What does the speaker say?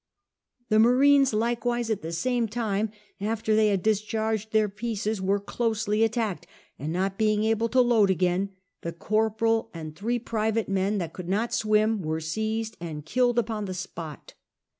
The inanncs likewise at the same time, after they had discharged their pieives, wen>> closely attacked, and, not being able to loatl again, the corporal aiul three private men that could not swim were seized and killed upon the spot.